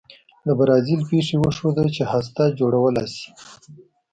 د برازیل پېښې وښوده چې هسته جوړولای شي.